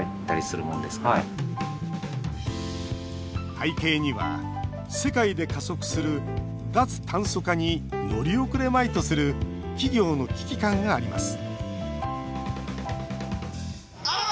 背景には世界で加速する脱炭素化に乗り遅れまいとする企業の危機感があります